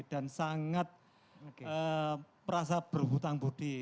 dan sangat merasa berhutang budi